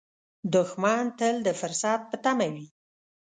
دښمن تل د فرصت په تمه وي